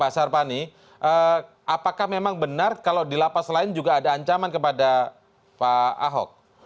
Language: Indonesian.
pak sarpani apakah memang benar kalau di lapas lain juga ada ancaman kepada pak ahok